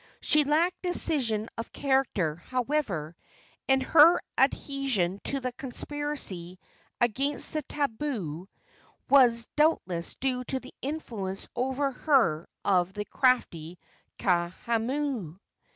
She lacked decision of character, however, and her adhesion to the conspiracy against the tabu was doubtless due to the influence over her of the crafty Kaahumanu.